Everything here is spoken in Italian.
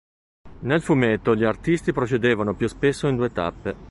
Nel fumetto, gli artisti procedevano più spesso in due tappe.